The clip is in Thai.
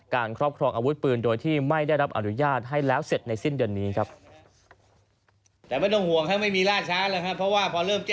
ครอบครองอาวุธปืนโดยที่ไม่ได้รับอนุญาตให้แล้วเสร็จในสิ้นเดือนนี้ครับ